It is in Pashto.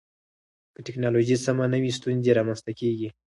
که ټکنالوژي سمه نه وي، ستونزې رامنځته کېږي.